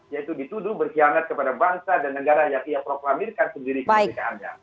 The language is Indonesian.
yaitu dituduh berkhianat kepada bangsa dan negara yang ia proklamirkan sendiri kemerdekaannya